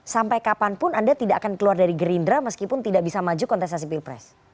sampai kapanpun anda tidak akan keluar dari gerindra meskipun tidak bisa maju kontestasi pilpres